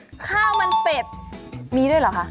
ข้าวมันเป็ดมีด้วยเหรอคะ